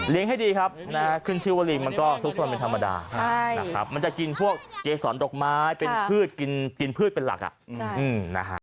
ให้ดีครับขึ้นชื่อว่าลิงมันก็ซุกซนเป็นธรรมดานะครับมันจะกินพวกเกษรดอกไม้เป็นพืชกินพืชเป็นหลักนะฮะ